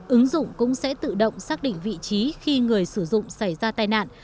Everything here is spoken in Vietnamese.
ứng dụng cũng sẽ tự động xác định vị trí khi người sử dụng xảy ra tai nạn